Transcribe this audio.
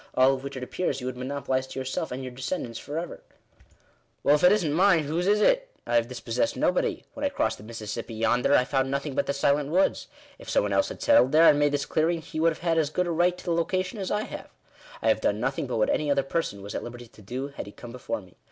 all of which it appears you would monopolise to yourself and your descendants for ever. 1 '" Well, if it isn't mine, whose is it ? I have dispossessed no body. When I crossed the Mississippi yonder, I found nothing Digitized by VjOOQIC 118 THE RIGHT TO THE USE OF THE EARTH. but the silent woods. If some one else had settled here, and made this clearing, he wonld have had as good a right to the location as I have. I have done nothing but what any other person was at liberty to do had he come before me.